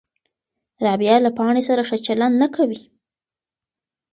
رابعه له پاڼې سره ښه چلند نه کوي.